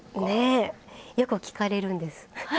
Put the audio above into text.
ねえ？よく聞かれるんです。